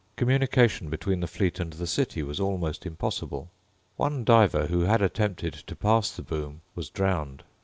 Communication between the fleet and the city was almost impossible. One diver who had attempted to pass the boom was drowned.